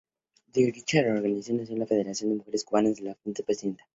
De dicha reorganización nació la Federación de Mujeres Cubanas de la que fue presidenta.